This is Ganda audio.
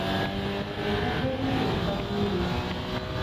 Ettaka erimu lya gavumenti.